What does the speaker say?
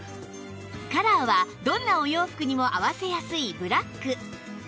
カラーはどんなお洋服にも合わせやすいブラック